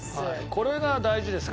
これが大事ですからね